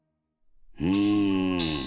うん。